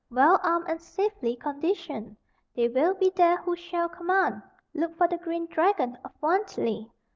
Well armed and safely conditioned. They will be there who shall command. Look for the green dragon of Wantley.